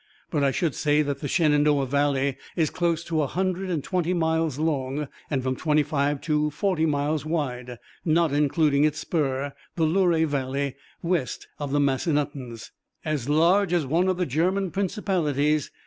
But I should say that the Shenandoah Valley is close to a hundred and twenty miles long, and from twenty five to forty miles wide, not including its spur, the Luray Valley, west of the Massanuttons." "As large as one of the German Principalities."